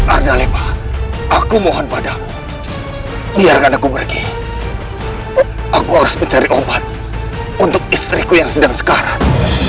ada lebah aku mohon padamu biarkan aku pergi aku harus mencari obat untuk istriku yang sedang sekarang